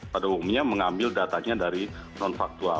pada umumnya mengambil datanya dari non faktual